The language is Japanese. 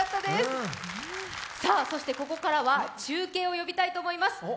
ここからは中継を呼びたいと思います。